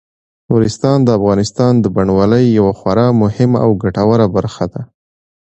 نورستان د افغانستان د بڼوالۍ یوه خورا مهمه او ګټوره برخه ده.